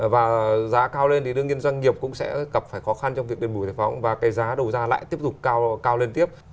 và giá cao lên thì đương nhiên doanh nghiệp cũng sẽ gặp phải khó khăn trong việc đền bù giải phóng và cái giá đầu ra lại tiếp tục cao lên tiếp